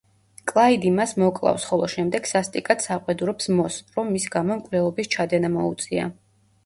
კლაიდი მას მოკლავს, ხოლო შემდეგ სასტიკად საყვედურობს მოსს, რომ მის გამო მკვლელობის ჩადენა მოუწია.